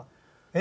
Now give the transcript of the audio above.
え？